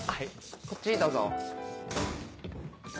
こっちどうぞ。